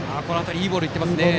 いいボール行ってます。